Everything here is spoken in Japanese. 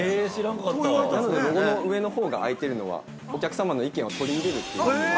◆なので、ロゴの上のほうが開いてるのは、お客様の意見を取り入れるという意味で。